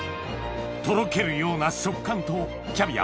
とろけるような食感とキャビア